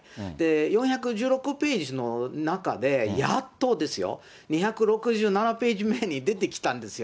４１６ページの中で、やっとですよ、２６７ページ目に出てきたんですよ。